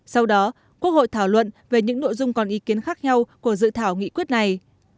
sau đó quốc hội thảo luận về những nội dung còn ý kiến khác nhau của dự thảo nghị quyết này